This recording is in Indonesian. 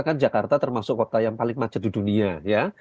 kan jakarta termasuk kota yang paling macet di dunia ya